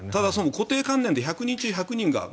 固定観念で１００人中１００人が。